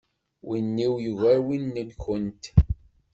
Win-iw yugar win-nkent.